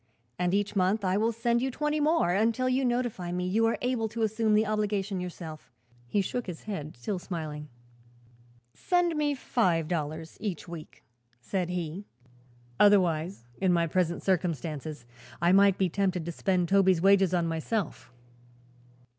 "And each month I will send you twenty more, until you notify me you are able to assume the obligation yourself." He shook his head, still smiling. "Send me five dollars each week," said he. "Otherwise, in my present circumstances, I might be tempted to spend Toby's wages on myself."